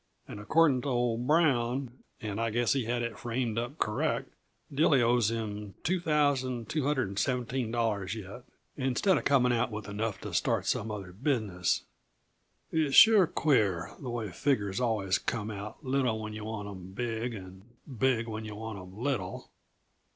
And accordin' to old Brown and I guess he had it framed up correct Dilly owes him $2,217 yet, instead uh coming out with enough to start some other business. It's sure queer, the way figures always come out little when yuh want 'em big, and big when yuh want 'em little!